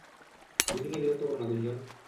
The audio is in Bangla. ব্রিফিং এ বিরক্ত করো না, গুঞ্জন।